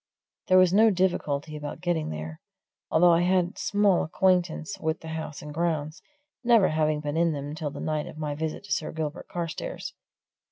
There was no difficulty about getting there although I had small acquaintance with the house and grounds, never having been in them till the night of my visit to Sir Gilbert Carstairs.